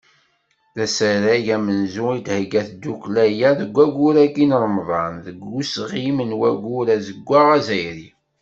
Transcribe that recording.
D asarag amenzu i d-thegga tddukkla-a deg waggur-agi n Remḍan, deg usɣim n Waggur Azeggaɣ Azzayri.